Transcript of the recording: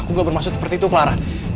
aku gak bermaksud seperti itu clara